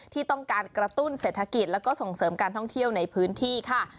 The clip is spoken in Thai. ที่ต้องการกระตุ้นเศรษฐกิจแล้วก็ส่งเสริมการท่องเที่ยวในพื้นที่ค่ะ